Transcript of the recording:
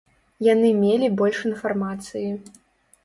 Яны мелі больш інфармацыі.